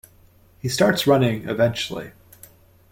He starts running eventually.